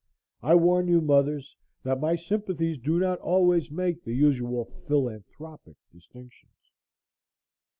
I warn you, mothers, that my sympathies do not always make the usual phil anthropic distinctions.